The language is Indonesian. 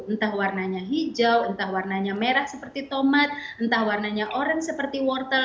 entah warnanya hijau entah warnanya merah seperti tomat entah warnanya orange seperti wortel